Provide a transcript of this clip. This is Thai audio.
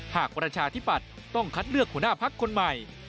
หากประชาธิบัติต้องคัดเลือกหัวหน้าภักดิ์คนใหม่